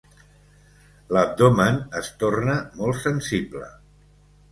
L'abdomen es torna molt sensible.